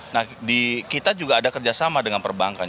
nah kita juga ada kerjasama dengan perbankan